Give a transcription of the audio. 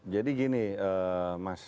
jadi gini mas